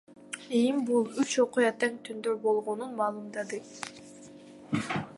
ИИМ бул үч окуя тең түндө болгонун маалымдады.